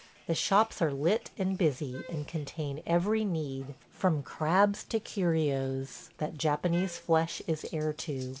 The shops are lit and busy, and contain every need, from crabs to curios, that Japanese flesh is heir to.